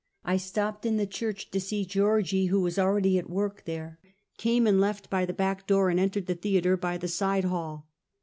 I stopped in the church to see Georgie, who was already at work there, came and left by the back door, and entered the thea ter by the side hall.